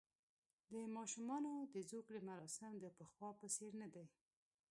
د ماشومانو د زوکړې مراسم د پخوا په څېر نه دي.